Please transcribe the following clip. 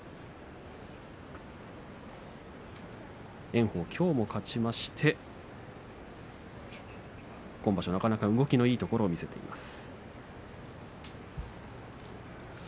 炎鵬、きょうも勝ちまして今場所、なかなか動きのいいところを見せています。